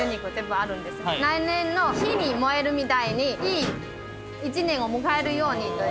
来年の火に燃えるみたいにいい１年を迎えるようにという。